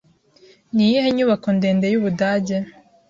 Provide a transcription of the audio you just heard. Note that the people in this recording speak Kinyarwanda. Niyihe nyubako ndende y'Ubudage?